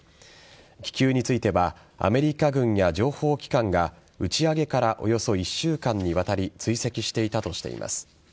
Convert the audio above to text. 気球についてはアメリカ軍や情報機関が打ち上げからおよそ１週間にわたり追跡していたとしています。